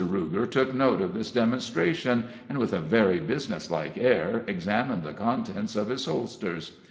Ruger took note of this demonstration, and, with a very business like air, examined the contents of his holsters.